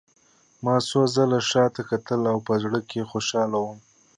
ما څو ځله شا ته کتل او په زړه کې خوشحاله وم